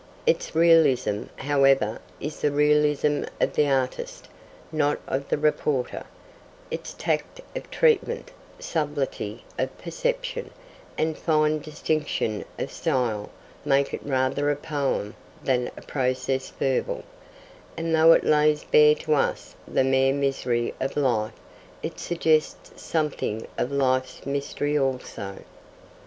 Its realism, however, is the realism of the artist, not of the reporter; its tact of treatment, subtlety of perception, and fine distinction of style, make it rather a poem than a proces verbal; and though it lays bare to us the mere misery of life, it suggests something of life's mystery also.